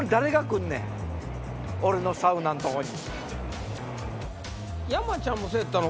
俺のサウナんとこに。